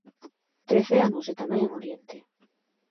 Trece anos e tamén en Oriente.